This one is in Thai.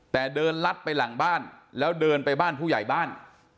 แต่เดินลัดไปหลังบ้านแล้วเดินไปบ้านผู้ใหญ่บ้าน